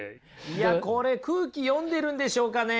いやこれ空気読んでるんでしょうかね？